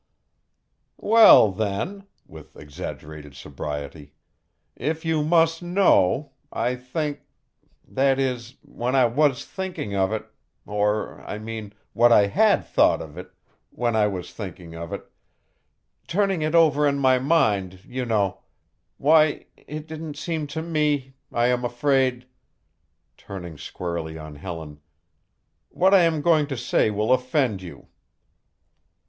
"Well, then," with exaggerated sobriety, "if you must know I think that is, when I was thinking of it or I mean, what I had thought of it, when I was thinking of it turning it over in my mind, you know why, it didn't seem to me I am afraid" turning squarely on Helen "what I am going to say will offend you."